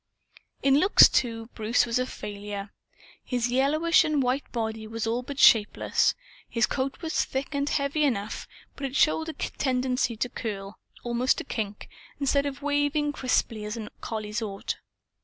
In looks, too, Bruce was a failure. His yellowish and white body was all but shapeless. His coat was thick and heavy enough, but it showed a tendency to curl almost to kink instead of waving crisply, as a collie's ought.